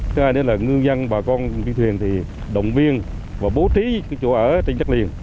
thứ hai nữa là ngư dân bà con viên thuyền thì động viên và bố trí chỗ ở trên chất liền